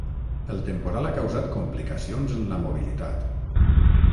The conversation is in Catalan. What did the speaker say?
El temporal ha causat complicacions en la mobilitat.